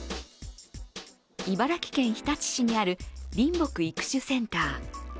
茨城県日立市にある林木育種センター。